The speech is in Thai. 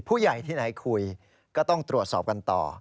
ผู้ใหญ่ที่ไหนคุยก็ต้องตรวจสอบกันต่อ